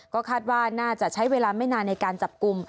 ก็คาดว่าน่าจะใช้เวลาไม่นานในการจับกลุ่ม